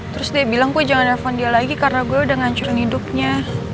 terus dia bilang gue jangan nelfon dia lagi karena gue udah ngancurin hidupnya